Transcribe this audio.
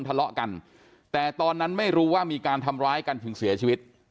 ทะเลาะกันแต่ตอนนั้นไม่รู้ว่ามีการทำร้ายกันถึงเสียชีวิต